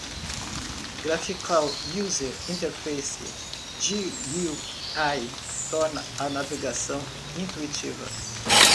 Graphical User Interface (GUI) torna a navegação intuitiva.